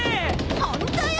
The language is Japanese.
ホントよ！